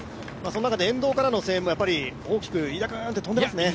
その中で沿道からの声援も大きく、飯田君と飛んでますね。